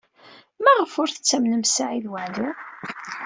Maɣef ur tettamnem Saɛid Waɛli?